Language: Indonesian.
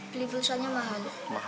beli pulsaannya mahal